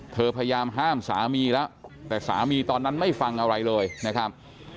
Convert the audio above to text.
พยายามห้ามสามีแล้วแต่สามีตอนนั้นไม่ฟังอะไรเลยนะครับ